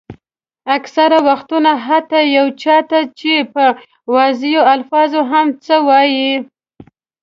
اکثره وختونه حتیٰ یو چا ته چې په واضحو الفاظو هم څه وایئ.